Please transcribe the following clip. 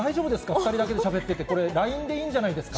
２人だけでしゃべってて、これ、ＬＩＮＥでいいんじゃないんですか。